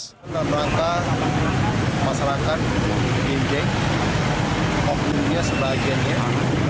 tentang langkah masyarakat binjai komunitas sebagiannya